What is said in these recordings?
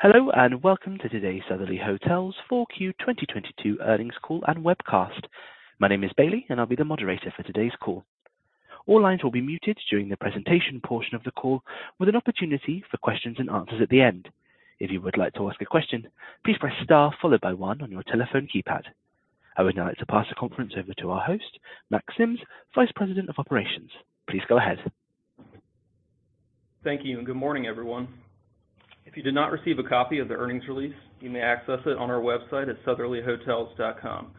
Hello, and welcome to today's Sotherly Hotels 4Q 2022 Earnings Call and Webcast. My name is Bailey, and I'll be the moderator for today's call. All lines will be muted during the presentation portion of the call, with an opportunity for questions and answers at the end. If you would like to ask a question, please press star followed by one on your telephone keypad. I would now like to pass the conference over to our host, Mack Sims, Vice President of Operations. Please go ahead. Thank you, and good morning, everyone. If you did not receive a copy of the earnings release, you may access it on our website at sotherlyhotels.com.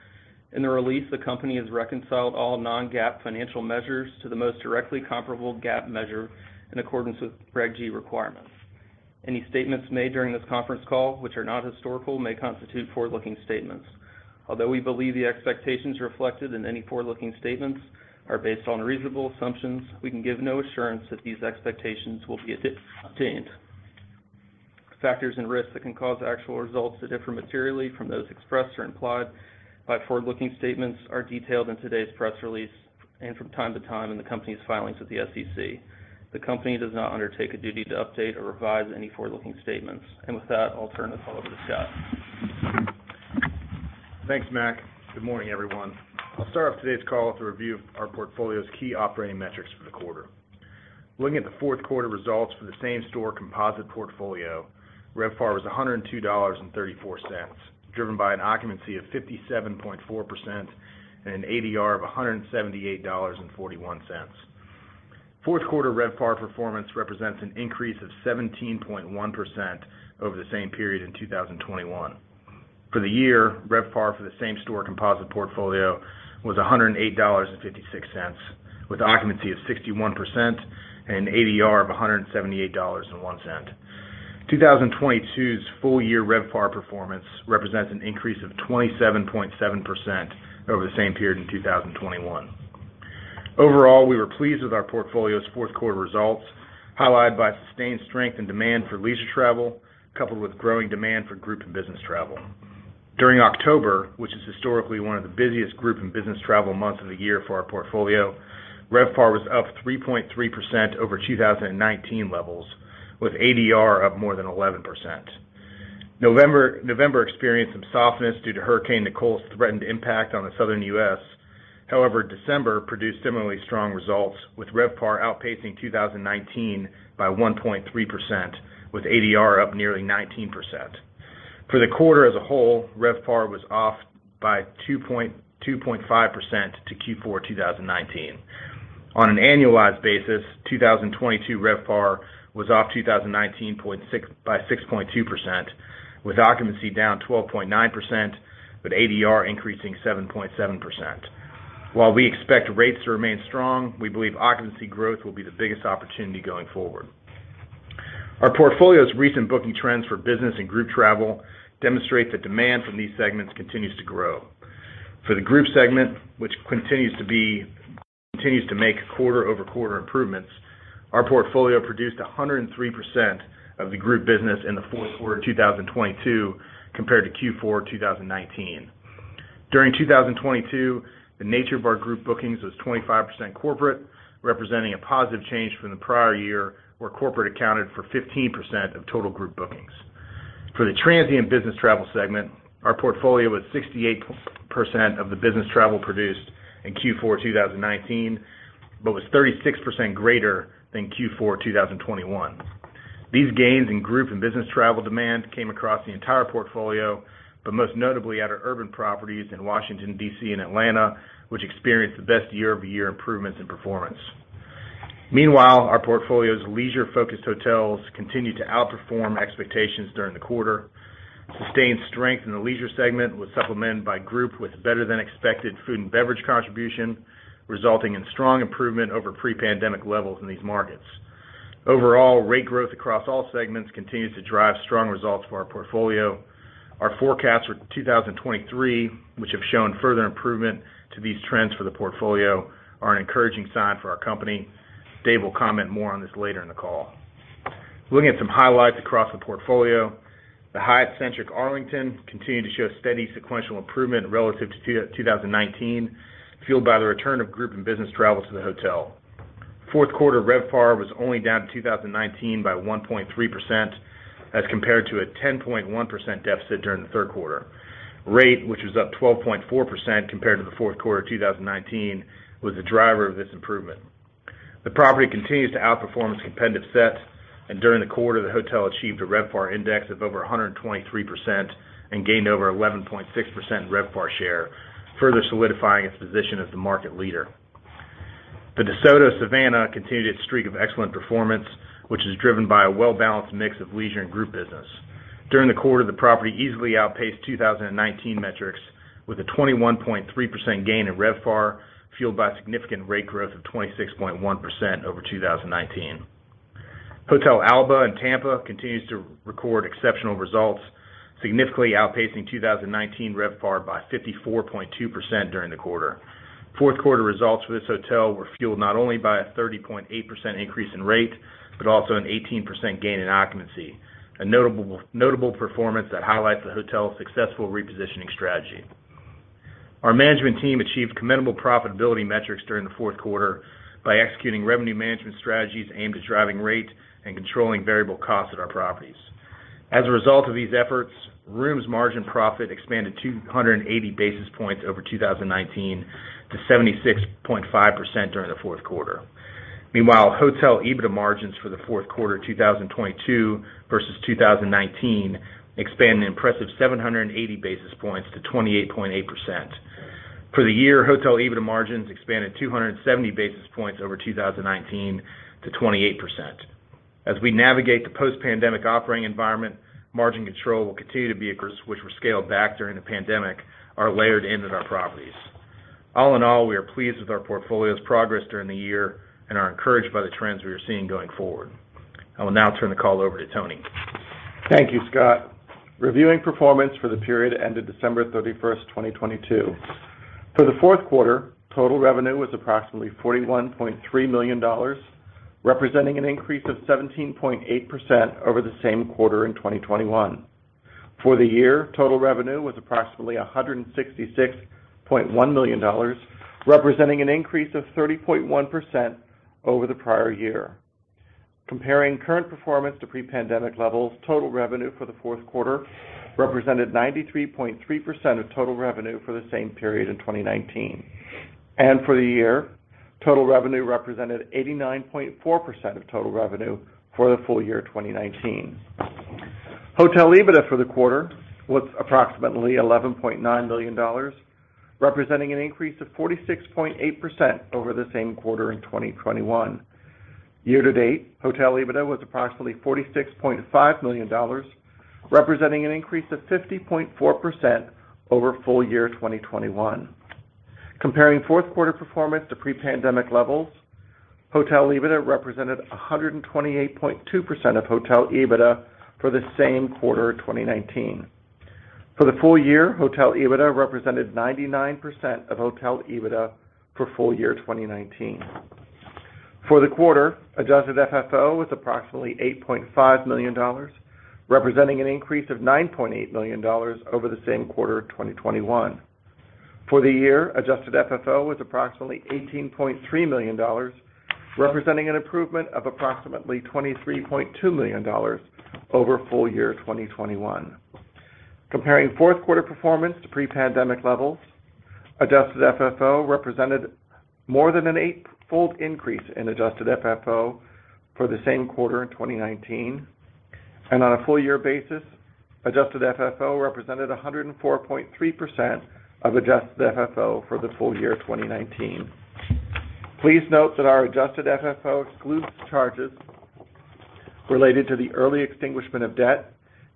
In the release, the company has reconciled all non-GAAP financial measures to the most directly comparable GAAP measure in accordance with Reg G requirements. Any statements made during this conference call, which are not historical, may constitute forward-looking statements. Although we believe the expectations reflected in any forward-looking statements are based on reasonable assumptions, we can give no assurance that these expectations will be obtained. Factors and risks that can cause actual results to differ materially from those expressed or implied by forward-looking statements are detailed in today's press release and from time to time in the company's filings with the SEC. The company does not undertake a duty to update or revise any forward-looking statements. With that, I'll turn the call over to Scott. Thanks, Mack. Good morning, everyone. I'll start off today's call with a review of our portfolio's key operating metrics for the quarter. Looking at the fourth quarter results for the same store composite portfolio, RevPAR was $102.34, driven by an occupancy of 57.4% and an ADR of $178.41. Fourth quarter RevPAR performance represents an increase of 17.1% over the same period in 2021. For the year, RevPAR for the same store composite portfolio was $108.56, with occupancy of 61% and ADR of $178.01. 2022's full year RevPAR performance represents an increase of 27.7% over the same period in 2021. Overall, we were pleased with our portfolio's fourth quarter results, highlighted by sustained strength and demand for leisure travel, coupled with growing demand for group and business travel. During October, which is historically one of the busiest group in business travel months of the year for our portfolio, RevPAR was up 3.3% over 2019 levels, with ADR up more than 11%. November experienced some softness due to Hurricane Nicole's threatened impact on the Southern U.S. December produced similarly strong results, with RevPAR outpacing 2019 by 1.3%, with ADR up nearly 19%. For the quarter as a whole, RevPAR was off by 2.5% to Q4 2019. On an annualized basis, 2022 RevPAR was off by 6.2%, with occupancy down 12.9%, with ADR increasing 7.7%. While we expect rates to remain strong, we believe occupancy growth will be the biggest opportunity going forward. Our portfolio's recent booking trends for business and group travel demonstrate that demand from these segments continues to grow. For the group segment, which continues to make quarter-over-quarter improvements, our portfolio produced 103% of the group business in the fourth quarter of 2022 compared to Q4 2019. During 2022, the nature of our group bookings was 25% corporate, representing a positive change from the prior year, where corporate accounted for 15% of total group bookings. For the transient business travel segment, our portfolio was 68% of the business travel produced in Q4 2019, but was 36% greater than Q4 2021. These gains in group and business travel demand came across the entire portfolio, but most notably at our urban properties in Washington, D.C., and Atlanta, which experienced the best year-over-year improvements in performance. Meanwhile, our portfolio's leisure-focused hotels continued to outperform expectations during the quarter. Sustained strength in the leisure segment was supplemented by group with better than expected food and beverage contribution, resulting in strong improvement over pre-pandemic levels in these markets. Overall, rate growth across all segments continues to drive strong results for our portfolio. Our forecasts for 2023, which have shown further improvement to these trends for the portfolio, are an encouraging sign for our company. Dave will comment more on this later in the call. Looking at some highlights across the portfolio. The Hyatt Centric Arlington continued to show steady sequential improvement relative to 2019, fueled by the return of group and business travel to the hotel. Fourth quarter RevPAR was only down to 2019 by 1.3%, as compared to a 10.1% deficit during the third quarter. Rate, which was up 12.4% compared to the fourth quarter 2019, was the driver of this improvement. The property continues to outperform its competitive set. During the quarter, the hotel achieved a RevPAR index of over 123% and gained over 11.6% RevPAR share, further solidifying its position as the market leader. The DeSoto Savannah continued its streak of excellent performance, which is driven by a well-balanced mix of leisure and group business. During the quarter, the property easily outpaced 2019 metrics, with a 21.3% gain in RevPAR, fueled by significant rate growth of 26.1% over 2019. Hotel Alba in Tampa continues to record exceptional results, significantly outpacing 2019 RevPAR by 54.2% during the quarter. Fourth quarter results for this hotel were fueled not only by a 30.8% increase in rate, but also an 18% gain in occupancy. A notable performance that highlights the hotel's successful repositioning strategy. Our management team achieved commendable profitability metrics during the fourth quarter by executing revenue management strategies aimed at driving rate and controlling variable costs at our properties. As a result of these efforts, rooms margin profit expanded 280 basis points over 2019 to 76.5% during the fourth quarter. Meanwhile, hotel EBITDA margins for the fourth quarter 2022 versus 2019 expanded an impressive 780 basis points to 28.8%. For the year, hotel EBITDA margins expanded 270 basis points over 2019 to 28%. As we navigate the post-pandemic operating environment, margin control will continue to be a course which were scaled back during the pandemic are layered into our properties. All in all, we are pleased with our portfolio's progress during the year and are encouraged by the trends we are seeing going forward. I will now turn the call over to Tony. Thank you, Scott. Reviewing performance for the period ended December 31st, 2022. For the fourth quarter, total revenue was approximately $41.3 million, representing an increase of 17.8% over the same quarter in 2021. For the year, total revenue was approximately $166.1 million, representing an increase of 30.1% over the prior year. Comparing current performance to pre-pandemic levels, total revenue for the fourth quarter represented 93.3% of total revenue for the same period in 2019. For the year, total revenue represented 89.4% of total revenue for the full year 2019. Hotel EBITDA for the quarter was approximately $11.9 million, representing an increase of 46.8% over the same quarter in 2021. Year to date, hotel EBITDA was approximately $46.5 million, representing an increase of 50.4% over full year 2021. Comparing fourth quarter performance to pre-pandemic levels, hotel EBITDA represented 128.2% of hotel EBITDA for the same quarter in 2019. For the full year, hotel EBITDA represented 99% of hotel EBITDA for full year 2019. For the quarter, adjusted FFO was approximately $8.5 million, representing an increase of $9.8 million over the same quarter in 2021. For the year, adjusted FFO was approximately $18.3 million, representing an improvement of approximately $23.2 million over full year 2021. Comparing fourth quarter performance to pre-pandemic levels, adjusted FFO represented more than an eight-fold increase in adjusted FFO for the same quarter in 2019. On a full year basis, adjusted FFO represented 104.3% of adjusted FFO for the full year 2019. Please note that our adjusted FFO excludes charges related to the early extinguishment of debt,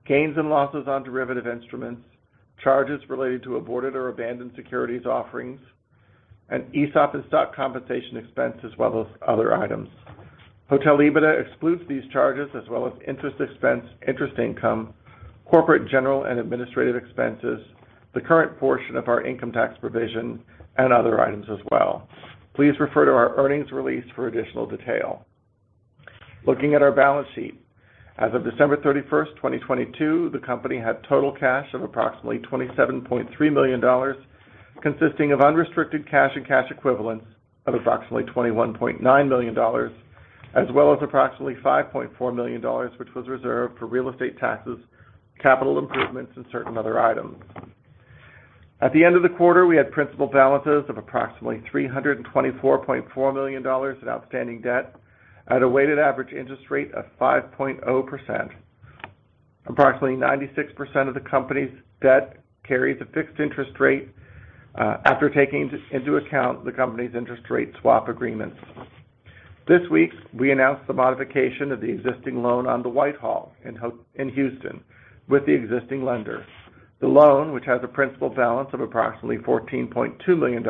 gains and losses on derivative instruments, charges related to aborted or abandoned securities offerings, and ESOP and stock compensation expense as well as other items. Hotel EBITDA excludes these charges as well as interest expense, interest income, corporate, general and administrative expenses, the current portion of our income tax provision and other items as well. Please refer to our earnings release for additional detail. Looking at our balance sheet. As of December 31, 2022, the company had total cash of approximately $27.3 million, consisting of unrestricted cash and cash equivalents of approximately $21.9 million, as well as approximately $5.4 million, which was reserved for real estate taxes, capital improvements, and certain other items. At the end of the quarter, we had principal balances of approximately $324.4 million in outstanding debt at a weighted average interest rate of 5.0%. Approximately 96% of the company's debt carries a fixed interest rate, after taking into account the company's interest rate swap agreements. This week, we announced the modification of the existing loan on The Whitehall in Houston with the existing lender. The loan, which has a principal balance of approximately $14.2 million,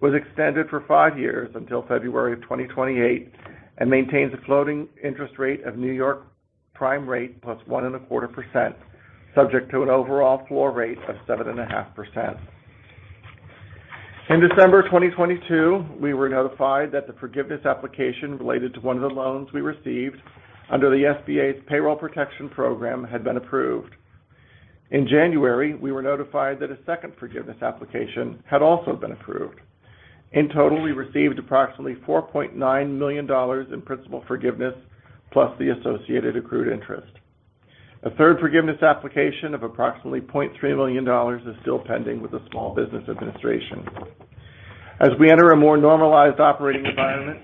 was extended for five years until February of 2028, and maintains a floating interest rate of New York Prime Rate +1.25%, subject to an overall floor rate of 7.5%. In December 2022, we were notified that the forgiveness application related to one of the loans we received under the SBA's Paycheck Protection Program had been approved. In January, we were notified that a second forgiveness application had also been approved. In total, we received approximately $4.9 million in principal forgiveness, plus the associated accrued interest. A third forgiveness application of approximately $0.3 million is still pending with the Small Business Administration. As we enter a more normalized operating environment,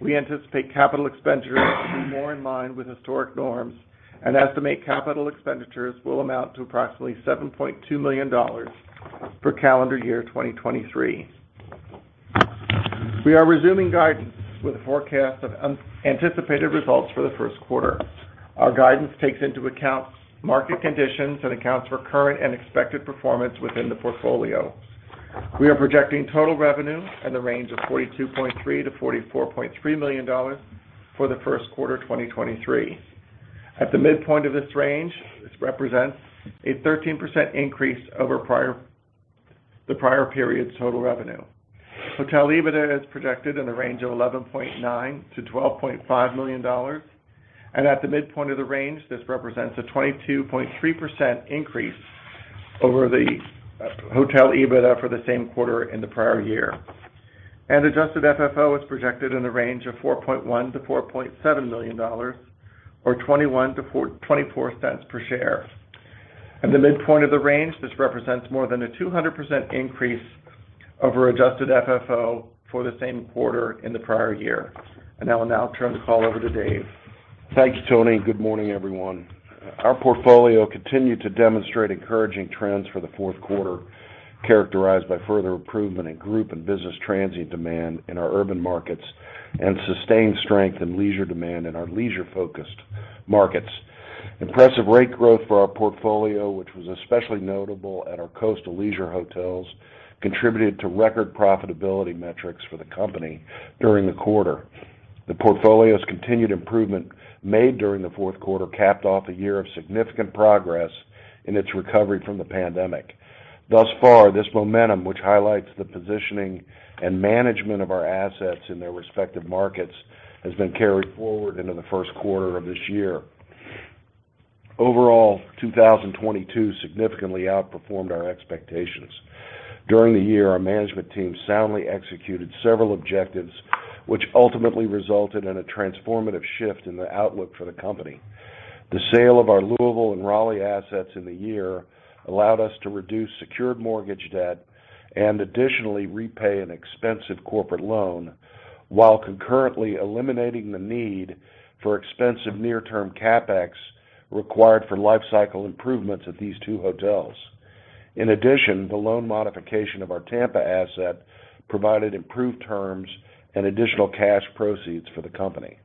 we anticipate capital expenditures to be more in line with historic norms and estimate capital expenditures will amount to approximately $7.2 million for calendar year 2023. We are resuming guidance with a forecast of anticipated results for the first quarter. Our guidance takes into account market conditions and accounts for current and expected performance within the portfolio. We are projecting total revenue in the range of $42.3 million-$44.3 million for the first quarter 2023. At the midpoint of this range, this represents a 13% increase over the prior period's total revenue. Hotel EBITDA is projected in the range of $11.9 million-$12.5 million. At the midpoint of the range, this represents a 22.3% increase over the hotel EBITDA for the same quarter in the prior year. Adjusted FFO is projected in the range of $4.1 million-$4.7 million or $0.21-$0.24 per share. At the midpoint of the range, this represents more than a 200% increase over adjusted FFO for the same quarter in the prior year. I will now turn the call over to Dave. Thank you, Tony. Good morning, everyone. Our portfolio continued to demonstrate encouraging trends for the fourth quarter, characterized by further improvement in group and business transient demand in our urban markets and sustained strength in leisure demand in our leisure-focused markets. Impressive rate growth for our portfolio, which was especially notable at our coastal leisure hotels, contributed to record profitability metrics for the company during the quarter. The portfolio's continued improvement made during the fourth quarter capped off a year of significant progress in its recovery from the pandemic. Thus far, this momentum, which highlights the positioning and management of our assets in their respective markets, has been carried forward into the first quarter of this year. Overall, 2022 significantly outperformed our expectations. During the year, our management team soundly executed several objectives, which ultimately resulted in a transformative shift in the outlook for the company. The sale of our Louisville and Raleigh assets in the year allowed us to reduce secured mortgage debt and additionally repay an expensive corporate loan, while concurrently eliminating the need for expensive near-term CapEx required for lifecycle improvements at these two hotels. In addition, the loan modification of our Tampa asset provided improved terms and additional cash proceeds for the company.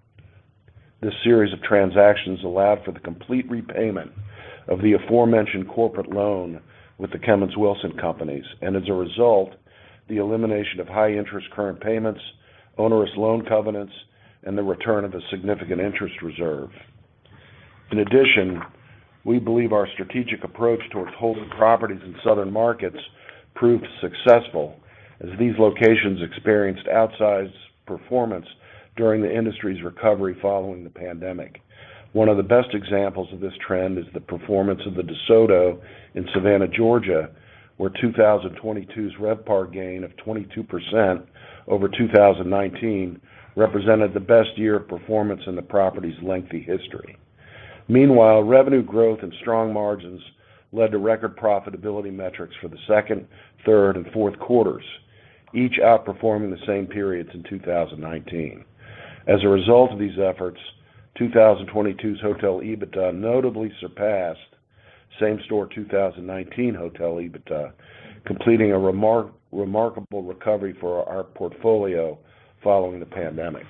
This series of transactions allowed for the complete repayment of the aforementioned corporate loan with the Kemmons Wilson Companies, and as a result, the elimination of high interest current payments, onerous loan covenants, and the return of a significant interest reserve. In addition, we believe our strategic approach towards holding properties in southern markets proved successful as these locations experienced outsized performance during the industry's recovery following the pandemic. One of the best examples of this trend is the performance of the DeSoto in Savannah, Georgia, where 2022's RevPAR gain of 22% over 2019 represented the best year of performance in the property's lengthy history. Revenue growth and strong margins led to record profitability metrics for the second, third, and fourth quarters, each outperforming the same periods in 2019. As a result of these efforts, 2022's hotel EBITDA notably surpassed same-store 2019 hotel EBITDA, completing a remarkable recovery for our portfolio following the pandemic.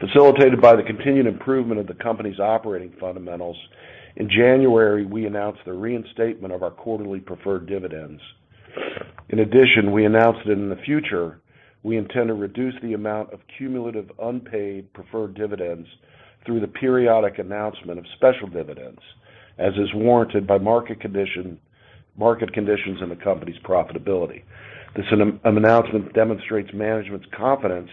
Facilitated by the continued improvement of the company's operating fundamentals, in January, we announced the reinstatement of our quarterly preferred dividends. In addition, we announced that in the future, we intend to reduce the amount of cumulative unpaid preferred dividends through the periodic announcement of special dividends, as is warranted by market conditions and the company's profitability. This announcement demonstrates management's confidence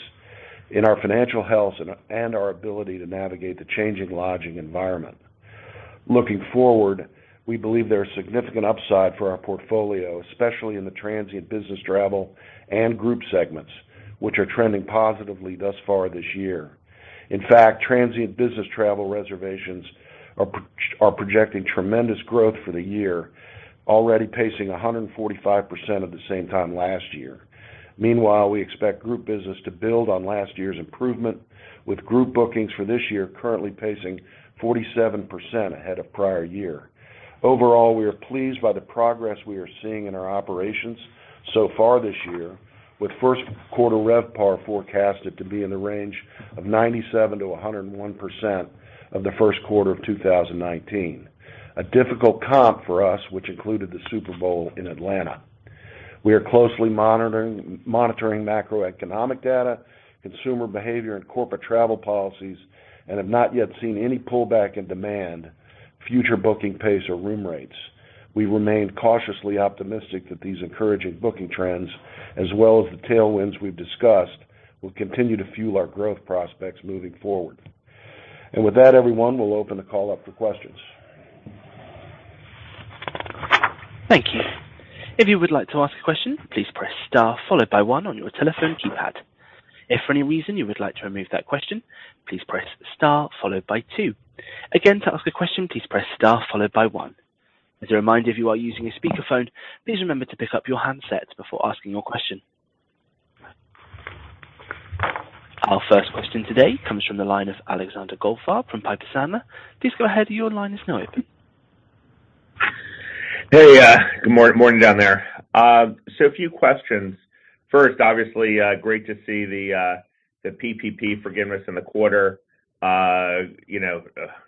in our financial health and our ability to navigate the changing lodging environment. Looking forward, we believe there are significant upside for our portfolio, especially in the transient business travel and group segments, which are trending positively thus far this year. In fact, transient business travel reservations are projecting tremendous growth for the year, already pacing 145% at the same time last year. Meanwhile, we expect group business to build on last year's improvement, with group bookings for this year currently pacing 47% ahead of prior year. Overall, we are pleased by the progress we are seeing in our operations so far this year, with first quarter RevPAR forecasted to be in the range of 97%-101% of the first quarter of 2019. A difficult comp for us, which included the Super Bowl in Atlanta. We are closely monitoring macroeconomic data, consumer behavior, and corporate travel policies and have not yet seen any pullback in demand, future booking pace, or room rates. We remain cautiously optimistic that these encouraging booking trends, as well as the tailwinds we've discussed, will continue to fuel our growth prospects moving forward. With that, everyone, we'll open the call up for questions. Thank you. If you would like to ask a question, please press star followed by one on your telephone keypad. If for any reason you would like to remove that question, please press star followed by two. Again, to ask a question, please press star followed by one. As a reminder, if you are using a speakerphone, please remember to pick up your handset before asking your question. Our first question today comes from the line of Alexander Goldfarb from Piper Sandler. Please go ahead. Your line is now open. Hey, good morning down there. A few questions. First, obviously, great to see the PPP forgiveness in the quarter. You know,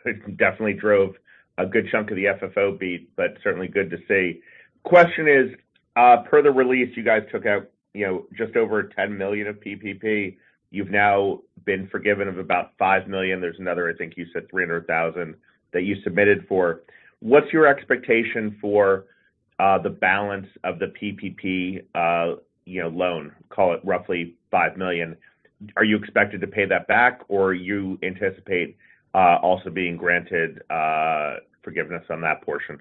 it definitely drove a good chunk of the FFO beat, but certainly good to see. Question is, per the release, you guys took out, you know, just over $10 million of PPP. You've now been forgiven of about $5 million. There's another, I think you said $300,000 that you submitted for. What's your expectation for.. ...the balance of the PPP, you know, loan, call it roughly $5 million. Are you expected to pay that back or you anticipate, also being granted, forgiveness on that portion?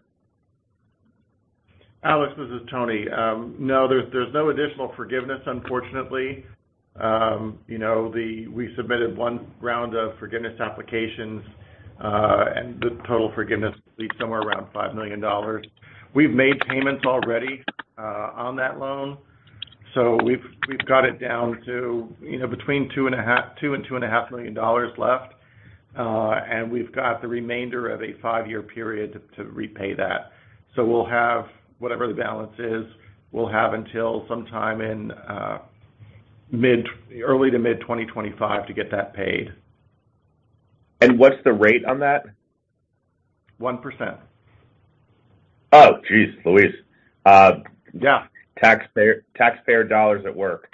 Alex, this is Tony. No, there's no additional forgiveness, unfortunately. You know, we submitted one round of forgiveness applications, and the total forgiveness will be somewhere around $5 million. We've made payments already on that loan. We've got it down to, you know, between $2 million and $2.5 million left. And we've got the remainder of a five-year period to repay that. We'll have whatever the balance is, we'll have until sometime in early to mid-2025 to get that paid. What's the rate on that? 1%. Oh, jeez Louise. Yeah. Taxpayer, taxpayer dollars at work.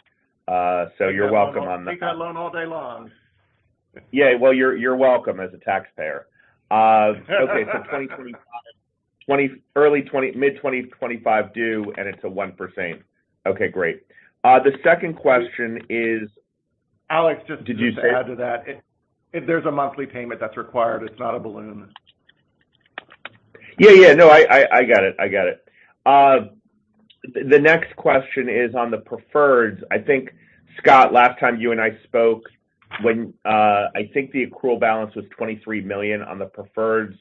You're welcome on the- Take that loan all day long. Yeah. Well, you're welcome as a taxpayer. Okay. mid-2025 due, and it's a 1%. Okay, great. The second question is- Alex, just to add to that. Did you say... There's a monthly payment that's required. It's not a balloon. Yeah. No, I got it. I got it. The next question is on the preferreds. I think, Scott, last time you and I spoke when I think the accrual balance was $23 million on the preferreds.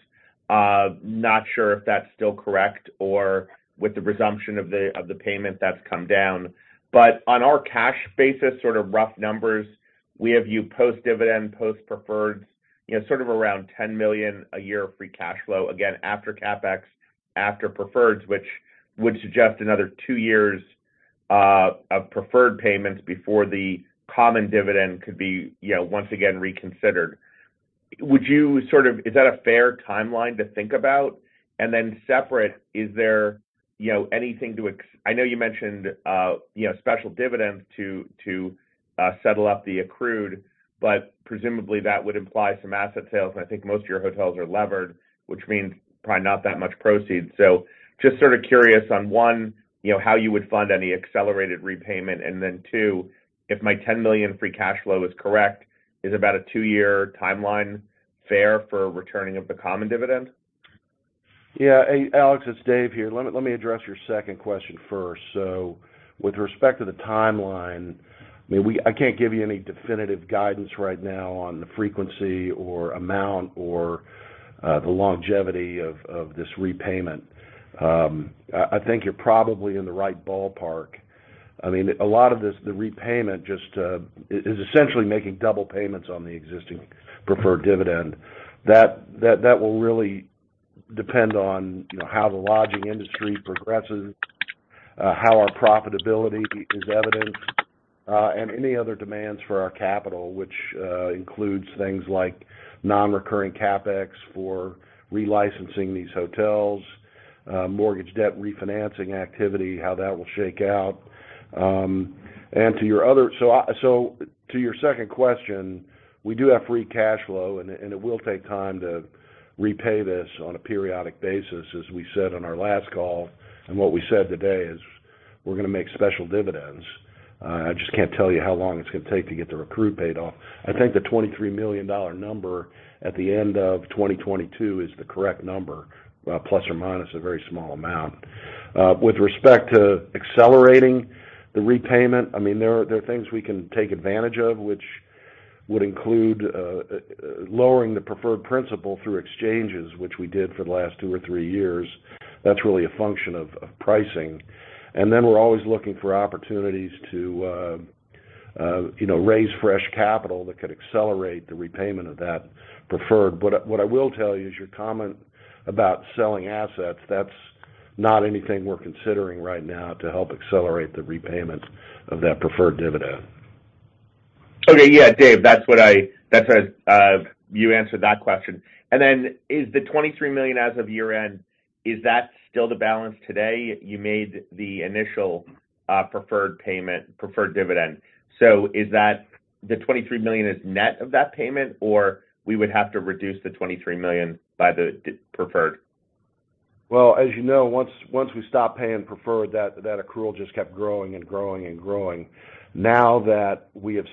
Not sure if that's still correct or with the resumption of the payment that's come down. On our cash basis, sort of rough numbers, we have you post-dividend, post-preferred, you know, sort of around $10 million a year of free cash flow, again, after CapEx, after preferreds, which would suggest another two years of preferred payments before the common dividend could be, you know, once again reconsidered. Would you sort of... Is that a fair timeline to think about? Separate, is there, you know, anything I know you mentioned, you know, special dividends to settle up the accrued, but presumably that would imply some asset sales, and I think most of your hotels are levered, which means probably not that much proceeds. Just sort of curious on, one, you know, how you would fund any accelerated repayment, and then two, if my $10 million free cash flow is correct, is about a two-year timeline fair for returning of the common dividend? Yeah. Alex, it's Dave here. Let me address your second question first. With respect to the timeline, I mean, I can't give you any definitive guidance right now on the frequency or amount or the longevity of this repayment. I think you're probably in the right ballpark. I mean, a lot of this, the repayment just is essentially making double payments on the existing preferred dividend. That will really depend on, you know, how the lodging industry progresses, how our profitability is evident, and any other demands for our capital, which includes things like non-recurring CapEx for re-licensing these hotels, mortgage debt refinancing activity, how that will shake out. And to your other... To your second question, we do have free cash flow, and it will take time to repay this on a periodic basis. As we said on our last call, and what we said today is we're gonna make special dividends. I just can't tell you how long it's gonna take to get the recruit paid off. I think the $23 million number at the end of 2022 is the correct number plus or minus a very small amount. With respect to accelerating the repayment, I mean, there are things we can take advantage of, which would include lowering the preferred principal through exchanges, which we did for the last two or three years. That's really a function of pricing. We're always looking for opportunities to, you know, raise fresh capital that could accelerate the repayment of that preferred. What I will tell you is your comment about selling assets, that's not anything we're considering right now to help accelerate the repayment of that preferred dividend. Okay. Yeah, Dave. That's what I... That's what... you answered that question. Is the $23 million as of year-end, is that still the balance today? You made the initial preferred payment, preferred dividend. Is that the $23 million is net of that payment, or we would have to reduce the $23 million by the d-- preferred? Well, as you know, once we stop paying preferred, that accrual just kept growing and growing and growing. That we have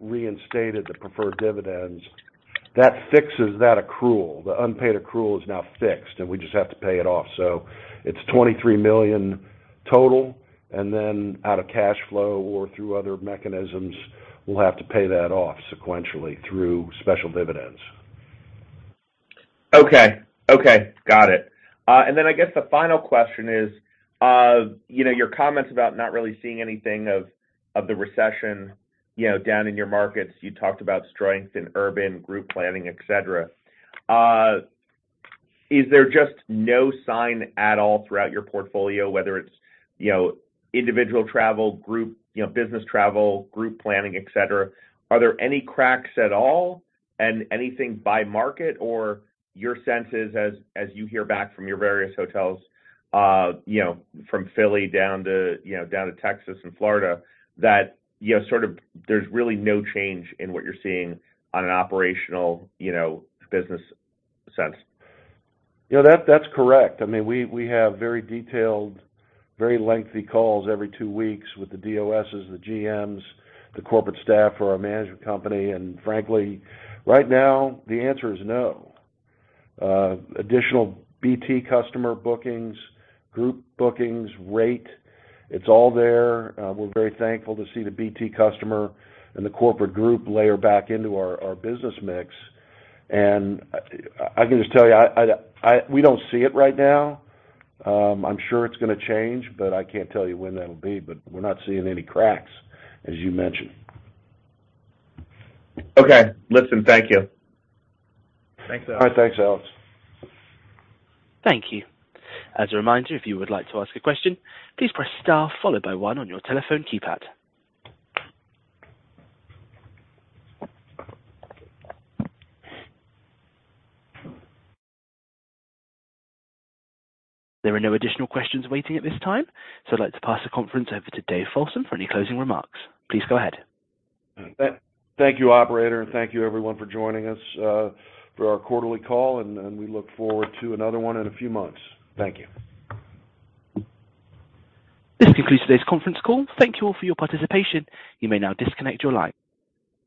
reinstated the preferred dividends, that fixes that accrual. The unpaid accrual is now fixed, we just have to pay it off. It's $23 million total, then out of cash flow or through other mechanisms, we'll have to pay that off sequentially through special dividends. Okay. Okay. Got it. I guess the final question is, you know, your comments about not really seeing anything of the recession, you know, down in your markets. You talked about strength in urban, group planning, et cetera. Is there just no sign at all throughout your portfolio, whether it's, you know, individual travel, group, you know, business travel, group planning, et cetera? Are there any cracks at all and anything by market or your senses as you hear back from your various hotels, you know, from Philly down to, you know, Texas and Florida, that, you know, sort of there's really no change in what you're seeing on an operational, you know, business sense? You know, that's correct. I mean, we have very detailed, very lengthy calls every two weeks with the DOSs, the GMs, the corporate staff for our management company. Frankly, right now, the answer is no. Additional BT customer bookings, group bookings, rate, it's all there. We're very thankful to see the BT customer and the corporate group layer back into our business mix. I can just tell you, I don't see it right now. I'm sure it's gonna change, but I can't tell you when that'll be. We're not seeing any cracks, as you mentioned. Okay. Listen, thank you. Thanks, Alex. All right. Thanks, Alex. Thank you. As a reminder, if you would like to ask a question, please press star followed by one on your telephone keypad. There are no additional questions waiting at this time. I'd like to pass the conference over to Dave Folsom for any closing remarks. Please go ahead. Thank you, operator, and thank you everyone for joining us, for our quarterly call, and we look forward to another one in a few months. Thank you. This concludes today's conference call. Thank you all for your participation. You may now disconnect your line.